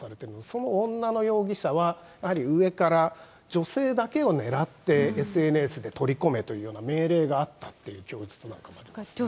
その女の容疑者は、やはり上から女性だけをねらってＳＮＳで取り込めというような命令があったっていう供述なんかもありますね。